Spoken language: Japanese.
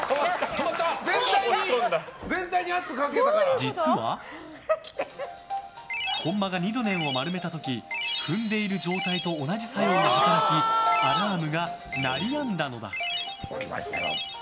実は、本間がニドネンを丸めた時踏んでいる状態と同じ作用が働きアラームが鳴りやんだのだ。